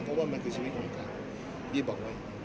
เพราะว่ามันคงเป็นชีวิตของเขากัก